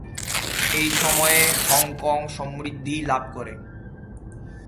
এই সময়ে হংকং সমৃদ্ধি লাভ করে।